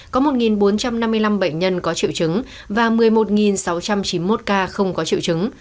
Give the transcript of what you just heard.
có một bốn trăm năm mươi năm bệnh nhân có triệu chứng và một mươi một sáu trăm chín mươi một ca không có triệu chứng